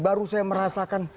baru saya merasakan